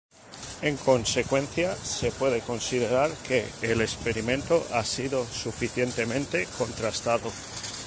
En consecuencia, se puede considerar que el experimento ha sido suficientemente contrastado.